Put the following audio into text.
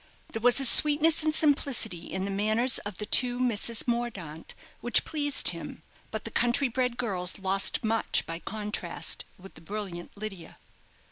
There was a sweetness and simplicity in the manners of the two Misses Mordaunt which pleased him; but the country bred girls lost much by contrast with the brilliant Lydia.